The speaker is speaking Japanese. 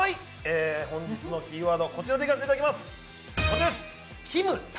本日のキーワードはこちらでいかせていただきます。